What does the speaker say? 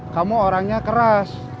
kamu orangnya keras